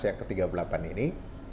yang ke tiga puluh delapan ini